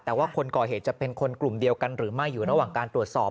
แต่ว่าคนก่อเหตุจะเป็นคนกลุ่มเดียวกันหรือไม่อยู่ระหว่างการตรวจสอบ